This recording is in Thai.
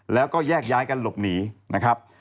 แล้วก็แยกย้ายกันหลบหนีนะครับ